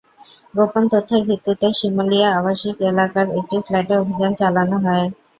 গোপন তথ্যের ভিত্তিতে শিমুলিয়া আবাসিক এলাকার একটি ফ্ল্যাটে অভিযান চালানো হয়।